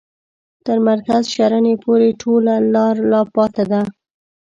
تر مرکز شرنې پوري ټوله لار لا پاته ده.